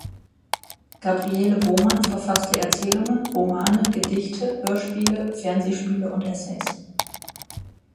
Gabriele Wohmann verfasste Erzählungen, Romane, Gedichte, Hörspiele, Fernsehspiele und Essays.